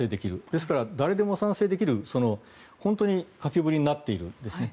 ですから誰でも賛成できる本当に書きぶりになっています。